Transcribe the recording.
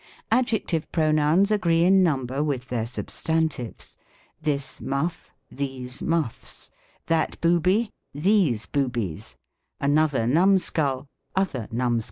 Adjective pronouns agree in number with their sub stantives :" This muff, these muffs ; that booby, these boobies ; another numscuU, other numsculls."